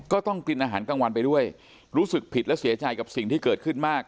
ก็ต้องกินอาหารกลางวันไปด้วยรู้สึกผิดและเสียใจกับสิ่งที่เกิดขึ้นมาก